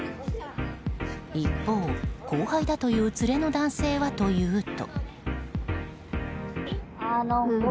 一方、後輩だという連れの男性はというと。